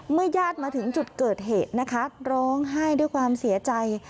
ญาติมาถึงจุดเกิดเหตุนะคะร้องไห้ด้วยความเสียใจ